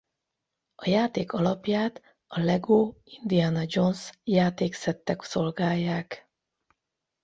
A játék alapját a Lego Indiana Jones játék szettek szolgálják.